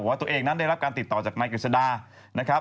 บอกว่าตัวเองนั้นได้รับการติดต่อจากนายกริศดา